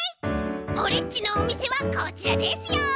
オレっちのおみせはこちらですよ。